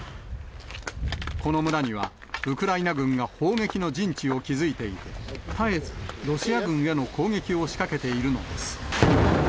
この村には、ウクライナ軍が砲撃の陣地を築いていて、絶えずロシア軍への攻撃を仕掛けているのです。